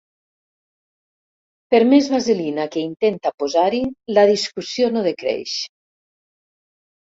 Per més vaselina que intenta posar-hi, la discussió no decreix.